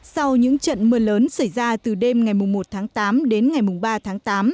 sau những trận mưa lớn xảy ra từ đêm ngày một tháng tám đến ngày ba tháng tám